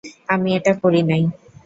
আমি এটা করি নাই।